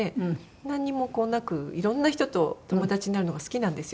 なんにもなくいろんな人と友達になるのが好きなんですよ。